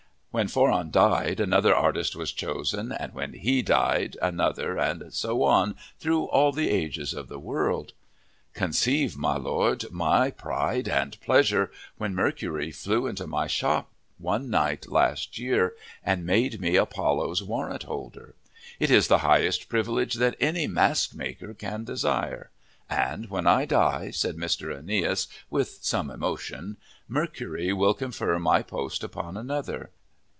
When Phoron died, another artist was chosen, and, when he died, another, and so on through all the ages of the world. Conceive, my Lord, my pride and pleasure when Mercury flew into my shop, one night last year, and made me Apollo's warrant holder. It is the highest privilege that any mask maker can desire. And when I die," said Mr. Aeneas, with some emotion, "Mercury will confer my post upon another."